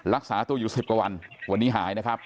รักษาตัวอยู่๑๐กว่าวันวันนี้หายนะครับ